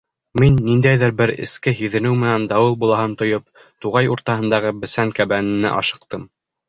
Мин, ниндәйҙер бер эске һиҙенеү менән дауыл булаһын тойоп, туғай уртаһындағы бесән кәбәненә ашыҡтым.